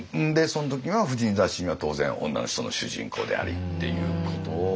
その時は婦人雑誌には当然女の人の主人公でありっていうことを。